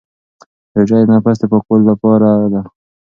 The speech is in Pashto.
روژه د نفس د پاکوالي لاره ده.